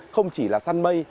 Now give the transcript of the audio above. không chỉ là săn mây